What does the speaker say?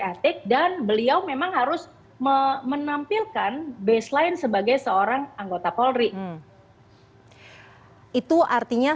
etik dan beliau memang harus menampilkan baseline sebagai seorang anggota polri itu artinya